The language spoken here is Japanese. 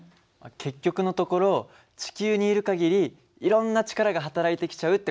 結局のところ地球にいる限りいろんな力がはたらいてきちゃうって事だね。